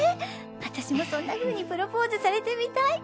私もそんな風にプロポーズされてみたい！